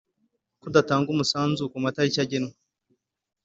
Kudatanga umusanzu ku matariki agenwe